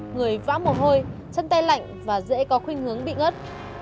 người vã mồ hôi chân tay lạnh và dễ có khuyên hướng bị ngất